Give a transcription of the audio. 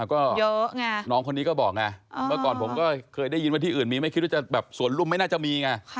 อ่าก็น้องคนนี้ก็บอกว่าเมื่อก่อนผมเคยได้ยินว่าที่อื่นจะมี